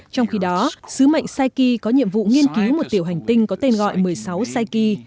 trong khi đó xứ mệnh psyche có nhiệm vụ nghiên cứu một tiểu hành tinh có tên gọi một mươi sáu psyche